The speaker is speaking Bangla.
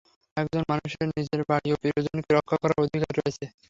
একজন মানুষের নিজের বাড়ি ও প্রিয়জনদের রক্ষা করার অধিকার রয়েছে।